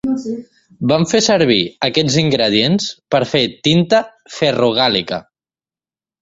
Van fer servir aquests ingredients per fer tinta ferrogàlica.